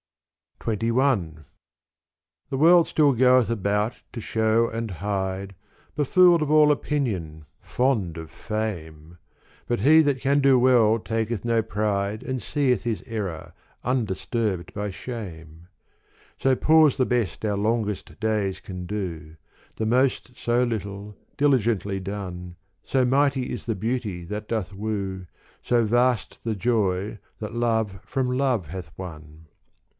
XXI The world still goeth about to shew and hide, Befooled of all opinion, fond of fame : But he that can do well taketh no pride And seeth his error, undisturbed by shame : So poor's the best our longest days can do. The most so little, diligently done. So mighty is the beauty that doth woo, So vast the joy that love from love hath won.